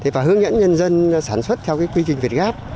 và hướng dẫn nhân dân sản xuất theo quy trình việt gáp